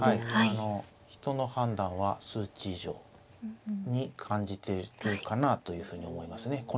あの人の判断は数値以上に感じているかなというふうに思いますね。